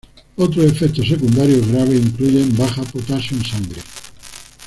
Otros efectos secundarios graves incluyen baja potasio en sangre.